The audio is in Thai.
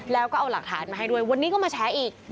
แล้วก็เอาหลักฐานมาให้ด้วยวันนี้ก็มาแชร์อีก